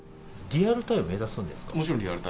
リアルタイムでいくんですか。